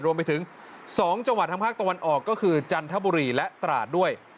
รวมไปถึง๒จังหวัดทางภาคตะวันออกก็คือจันทบุรีและตราดด้วย